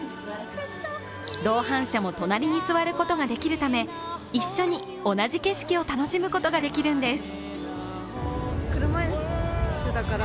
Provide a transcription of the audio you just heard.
同伴者も隣に座ることが出来るため一緒に同じ景色を楽しむことが出来るんです。